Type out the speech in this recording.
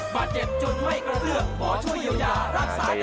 บาดเจ็บจนไม่กระเลือกขอช่วยเยียวยารักษา